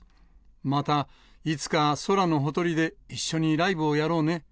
またいつか空のほとりで、一緒にライブをやろうね。